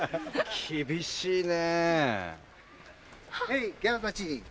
厳しいね。